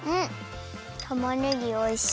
たまねぎおいしい。